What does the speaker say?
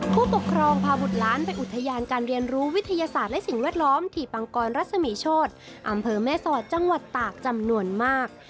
ผู้ปกครองพาบุตรล้านไปอุทยานการเรียนรู้วิทยาศาสตร์และสิ่งแวดล้อมที่ปังกรรัศมีโชธอำเภอแม่สอดจังหวัดตากจำนวนมาก